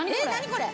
これ。